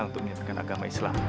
untuk menyatakan agama islam